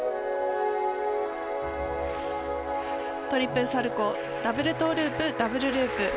トリプルサルコウダブルトウループダブルループ。